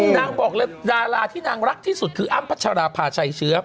บอกเลยดาราที่นางรักที่สุดคืออ้ำพัชราภาชัยเชื้อ